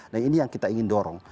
nah ini yang kita ingin dorong